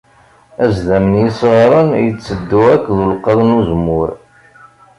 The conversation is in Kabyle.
Azdam n yisɣaren itteddu akked ulqaḍ n uzemmur.